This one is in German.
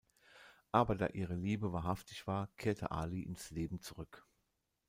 Aber da ihre Liebe wahrhaftig war, kehrt Ali ins Leben zurück.